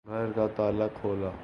گھر کا تالا کھولا